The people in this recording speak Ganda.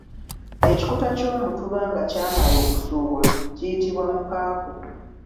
Ekikuta ky’omutuba nga kyamala okusubula kiyitibwa Mukaaku.